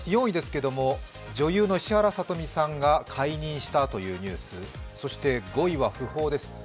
４位ですけれども、女優の石原さとみさんが懐妊したというニュース、５位は訃報です。